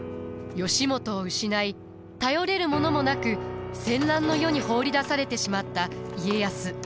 義元を失い頼れるものもなく戦乱の世に放り出されてしまった家康。